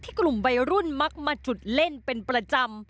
กลุ่มวัยรุ่นมักมาจุดเล่นเป็นประจำ